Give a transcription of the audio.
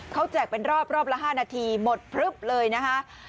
เขาแจกเป็นรอบรอบละ๕นาทีหมดพลึบเลยนะคะ